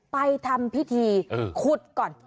ไปทำพิธีขุดก่อน